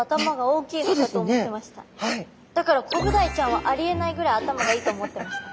だからコブダイちゃんはありえないぐらい頭がいいと思ってました。